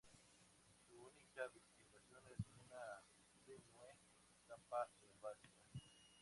Su única vegetación es una tenue capa herbácea.